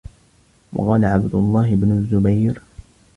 وَقَالَ عَبْدُ اللَّهِ بْنُ الزُّبَيْرِ